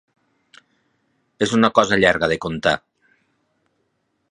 És una cosa llarga de contar.